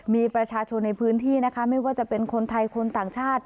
มีประชาชนในพื้นที่นะคะไม่ว่าจะเป็นคนไทยคนต่างชาติ